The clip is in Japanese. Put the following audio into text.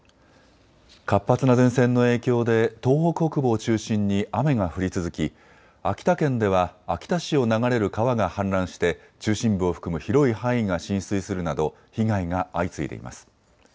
活発な前線の影響で東北北部を中心に雨が降り続き秋田県では秋田市を流れる川が氾濫して中心部を含む広い範囲が浸水するなど被害が相次いでいます。